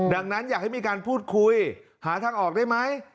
ดังนั้นอยากให้มีการพูดคุยหาทางออกได้ไหม